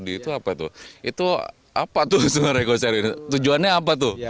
itu apa tuh itu apa tuh sebenarnya go sherina tujuannya apa tuh